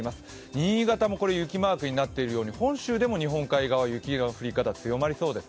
新潟も雪マークになっているように本州でも日本海側、雪が強まりそうです。